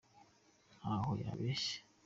Ntaho yabeshye